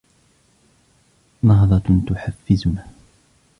نهضة تحفزنا